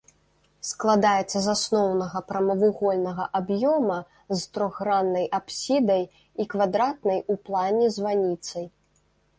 Складаецца з асноўнага прамавугольнага аб'ёма з трохграннай апсідай і квадратнай у плане званіцай.